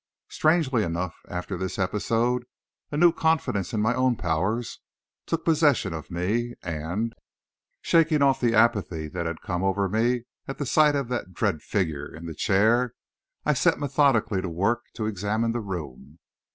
Strangely enough, after this episode, a new confidence in my own powers took possession of me, and, shaking off the apathy that had come over me at sight of that dread figure in the chair, I set methodically to work to examine the room.